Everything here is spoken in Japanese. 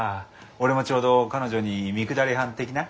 俺もちょうど彼女に三くだり半的な？